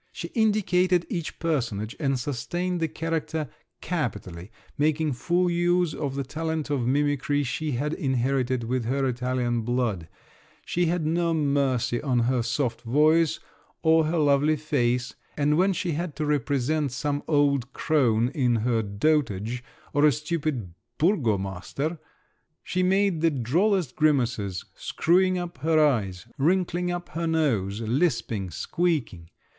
She indicated each personage, and sustained the character capitally, making full use of the talent of mimicry she had inherited with her Italian blood; she had no mercy on her soft voice or her lovely face, and when she had to represent some old crone in her dotage, or a stupid burgomaster, she made the drollest grimaces, screwing up her eyes, wrinkling up her nose, lisping, squeaking….